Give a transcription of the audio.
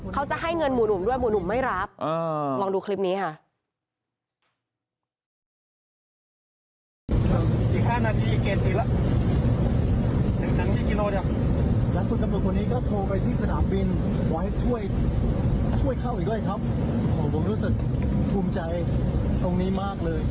ให้เงินหมู่หนุ่มด้วยหมู่หนุ่มไม่รับลองดูคลิปนี้ค่ะ